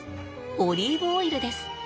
オリーブオイルです。